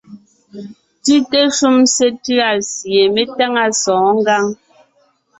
Tʉ́te shúm sétʉ̂a sie me táŋa sɔ̌ɔn ngǎŋ.